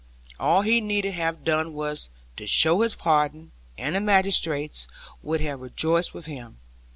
All he need have done was to show his pardon, and the magistrates would have rejoiced with him.